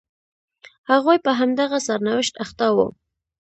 هغوی په همدغه سرنوشت اخته وو.